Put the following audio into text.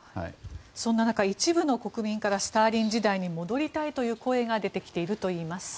そんな中、一部の国民からスターリン時代に戻りたいという声が出てきているといいます。